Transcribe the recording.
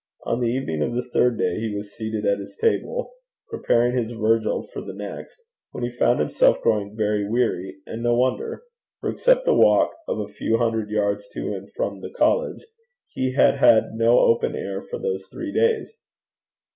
On the evening of the third day he was seated at his table preparing his Virgil for the next, when he found himself growing very weary, and no wonder, for, except the walk of a few hundred yards to and from the college, he had had no open air for those three days.